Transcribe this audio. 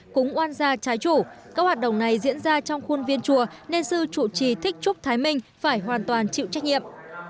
cúng oan gia trái chủ các hoạt động này diễn ra trong khuôn viên chùa nên sư chủ trì thích trúc thái minh phải hoàn toàn chịu trách nhiệm